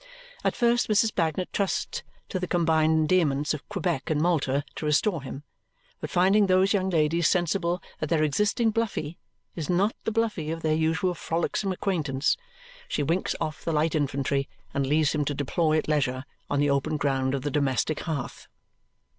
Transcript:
At first Mrs. Bagnet trusts to the combined endearments of Quebec and Malta to restore him, but finding those young ladies sensible that their existing Bluffy is not the Bluffy of their usual frolicsome acquaintance, she winks off the light infantry and leaves him to deploy at leisure on the open ground of the domestic hearth.